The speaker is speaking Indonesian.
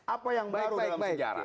apa yang baru dalam sejarah